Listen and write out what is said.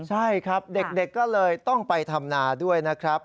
ใช่ครับเด็กก็เลยต้องไปทำนาด้วยนะครับ